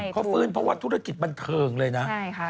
เขาฟื้นเพราะว่าธุรกิจบันเทิงเลยนะ